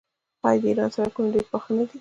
آیا د ایران سړکونه ډیر پاخه نه دي؟